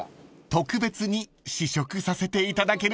［特別に試食させていただけるみたい］